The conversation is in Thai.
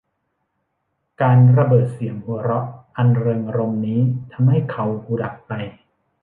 การระเบิดเสียงหัวเราะอันเริงรมย์นี้ทำให้เขาหูดับไป